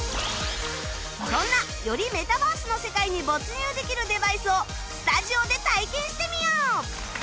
そんなよりメタバースの世界に没入できるデバイスをスタジオで体験してみよう！